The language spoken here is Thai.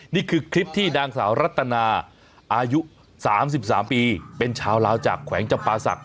นี่คือคลิปที่นางสาวรัตนาอายุ๓๓ปีเป็นชาวลาวจากแขวงจำปาศักดิ